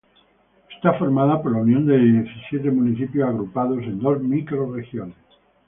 Es formada por la unión de diecisiete municipios agrupados en dos microrregiones.